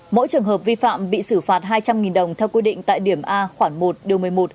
mỗi trường hợp vi phạm bị xử phạt hai trăm linh đồng theo quy định tại điểm a khoảng một điều một mươi một